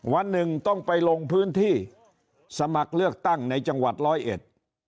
วันหนึ่งต้องไปลงพื้นที่สมัครเลือกตั้งในจังหวัดร้อยเอ็ด